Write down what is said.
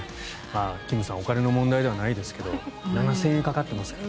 金さんお金の問題ではないですが７０００円かかってますから。